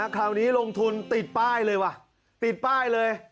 คราวนี้ลงทุนติดป้ายเลยว่ะติดป้ายเลย